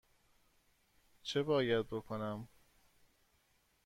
چه باید بکنم؟